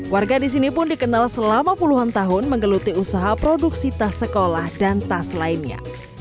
warga di sini pun dikenal selama puluhan tahun menggeluti usaha produksi tas sekolah dan tas lainnya